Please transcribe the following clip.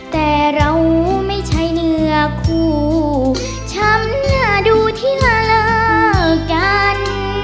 แต่เราไม่ใช่เหนือคู่ช้ำหน้าดูที่ละละกัน